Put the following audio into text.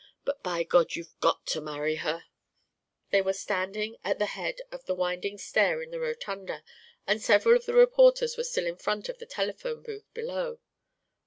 But by God you've got to marry her " They were standing at the head of the winding stair in the rotunda, and several of the reporters were still in front of the telephone booth below.